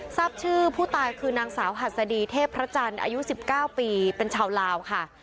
ทราบชื่อผู้ตายคือนางสาวหัสดีเทพจันทร์อายุ๑๙ปีเป็นชาวลาวค่ะ